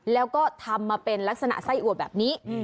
แล้วก็ทำมาเป็นลักษณะไส้อัวแบบนี้